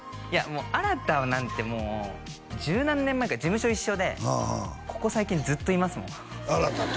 もう新太なんてもう十何年前から事務所一緒でここ最近ずっといますもん新太と？